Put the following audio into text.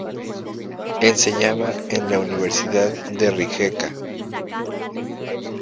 Enseñaba en la Universidad de Rijeka.